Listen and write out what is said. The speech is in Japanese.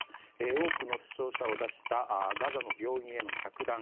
多くの死傷者を出したガザの病院への着弾。